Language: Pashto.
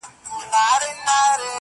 خو درد لا هم شته تل,